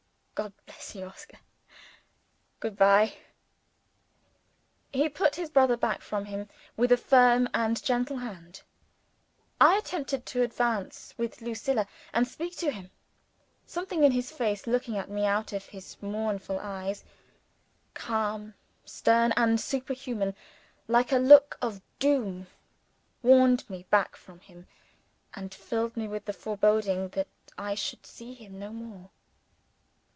God bless you, Oscar. Good bye." He put his brother back from him with a firm and gentle hand. I attempted to advance with Lucilla, and speak to him. Something in his face looking at me out of his mournful eyes, calm, stern, and superhuman, like a look of doom warned me back from him, and filled me with the foreboding that I should see him no more.